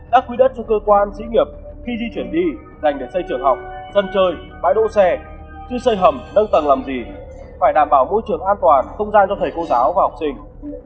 các quỹ đất cho cơ quan sĩ nghiệp khi di chuyển đi dành để xây trường học sân chơi bãi đỗ xe chứ xây hầm nâng tầng làm gì phải đảm bảo môi trường an toàn không gian cho thầy cô giáo và học sinh